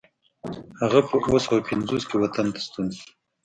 هغه په اوه سوه پنځوس کې وطن ته ستون شو.